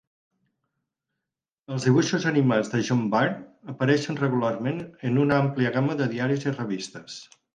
Els dibuixos animats de John Byrne apareixen regularment en una àmplia gama de diaris i revistes.